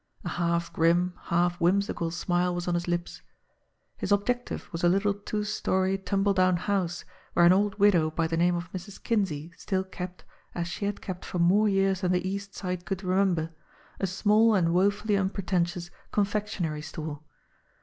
A half grim, half whimsical smile was on his lips. His ob jective was a little two story, tumble down house where an old widow by the name of Mrs. Kinsey still kept, as she had kept for more years than the East Side could remember, a small and woefully unpretentious confectionery store.